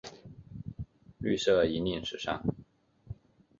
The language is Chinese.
绿色引领时尚。